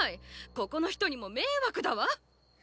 ここの人にも迷惑だわ。